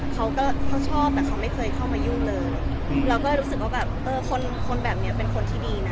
เขาก็เขาชอบแต่เขาไม่เคยเข้ามายุ่งเลยเราก็รู้สึกว่าแบบเออคนคนแบบนี้เป็นคนที่ดีนะ